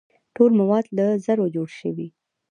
ټول مواد له ذرو جوړ شوي.